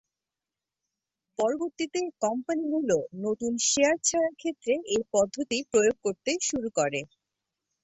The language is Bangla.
পরবর্তীতে কোম্পানিগুলো নতুন শেয়ার ছাড়ার ক্ষেত্রে এ পদ্ধতি প্রয়োগ করতে শুরু করে।